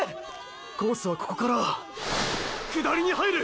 コースはここから下りに入る！！